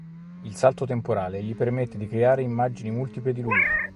Il Salto Temporale gli permette di creare immagini multiple di lui.